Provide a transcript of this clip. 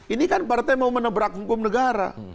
ini kan partai mau menabrak hukum negara